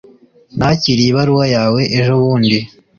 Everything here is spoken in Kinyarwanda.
nakiriye ibaruwa yawe ejobundi